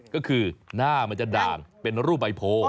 ก็คือหน้ามันจะด่างเป็นรูปใบโพ